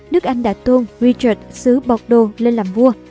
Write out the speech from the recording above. nước anh đã tôn richard xứ bordeaux lên làm vua